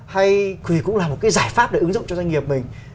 hay cũng là một cái giải pháp để ứng dụng cho doanh nghiệp mình